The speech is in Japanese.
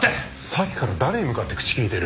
さっきから誰に向かって口利いてる？